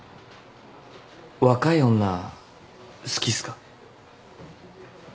若い女好きっすか？